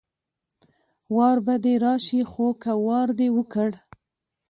وار به دې راشي خو که وار دې وکړ